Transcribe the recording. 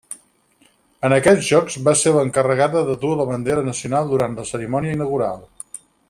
En aquests Jocs va ser l'encarregada de dur la bandera nacional durant la cerimònia inaugural.